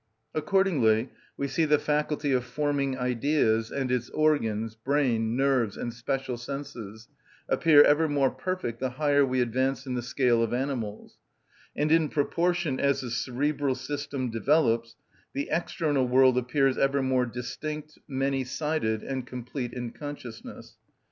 Accordingly we see the faculty of forming ideas, and its organs, brain, nerves, and special senses, appear ever more perfect the higher we advance in the scale of animals; and in proportion as the cerebral system develops, the external world appears ever more distinct, many‐sided, and complete in consciousness.